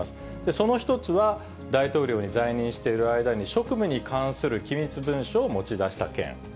その一つは、大統領に在任している間に職務に関する機密文書を持ち出した件。